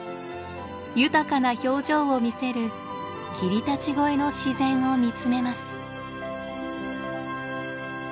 豊かな表情を見せる霧立越の自然を見つめます。